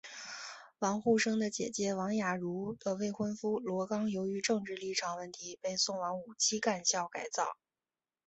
王沪生的姐姐王亚茹的未婚夫罗冈由于政治立场问题被送往五七干校改造。